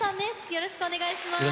よろしくお願いします！